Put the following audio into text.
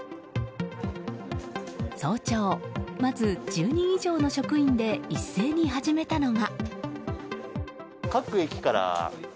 早朝、まず１０人以上の職員で一斉に始めたのは。